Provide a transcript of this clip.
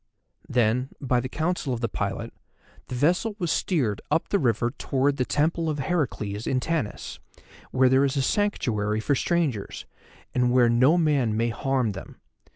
Then, by the counsel of the pilot, the vessel was steered up the river towards the Temple of Heracles in Tanis, where there is a sanctuary for strangers, and where no man may harm them.